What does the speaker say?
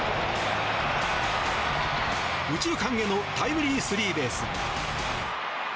右中間へのタイムリースリーベース。